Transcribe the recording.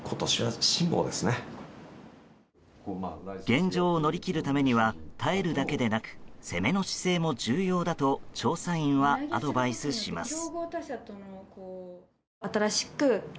現状を乗り切るためには耐えるだけでなく攻めの姿勢も重要だと調査員はアドバイスします。